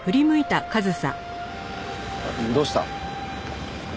どうした？